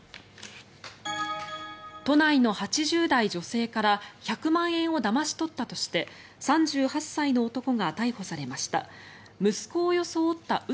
都内の８０代女性から１００万円をだまし取ったとして３８歳の男が逮捕されました。